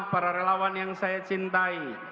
para relawan yang saya cintai